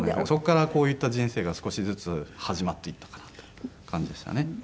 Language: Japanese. そこからこういった人生が少しずつ始まっていったかなという感じでしたね。